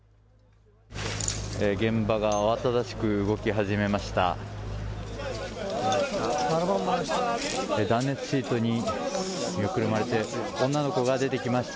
現場が慌ただしく動き始めました。